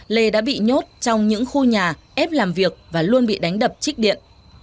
lê đã bị nhốt trong những khu nhà ép làm việc và luôn bị đánh đập trích điện